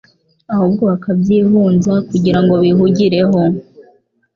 ahubwo bakabyihunza kugira ngo bihugireho,